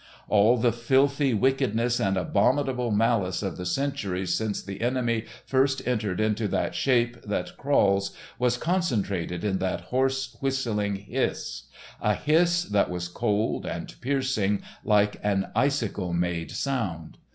All the filthy wickedness and abominable malice of the centuries since the Enemy first entered into that shape that crawls, was concentrated in that hoarse, whistling hiss—a hiss that was cold and piercing like an icicle made sound.